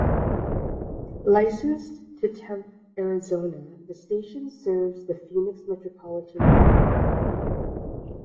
Licensed to Tempe, Arizona, the station serves the Phoenix metropolitan area.